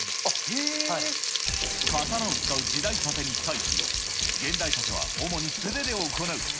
刀を使う時代タテに対し、現代タテは主に素手で行う。